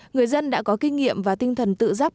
người dân đã có kinh nghiệm và tinh thần tự giác bảo vệ